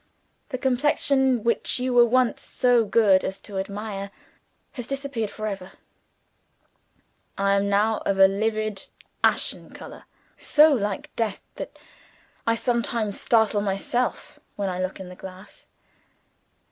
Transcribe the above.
The complexion which you were once so good as to admire, has disappeared for ever. I am now of a livid ashen color so like death, that I sometimes startle myself when I look in the glass.